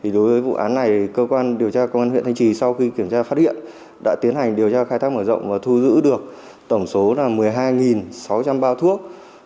đối với vụ án này cơ quan điều tra công an huyện thanh trì sau khi kiểm tra phát hiện đã tiến hành điều tra khai thác mở rộng và thu giữ được tổng số một mươi hai sáu trăm linh bao thuốc